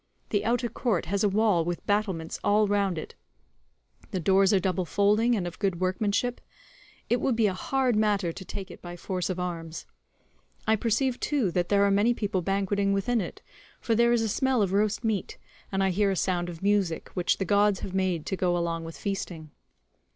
The outer court has a wall with battlements all round it; the doors are double folding, and of good workmanship; it would be a hard matter to take it by force of arms. I perceive, too, that there are many people banqueting within it, for there is a smell of roast meat, and I hear a sound of music, which the gods have made to go along with feasting."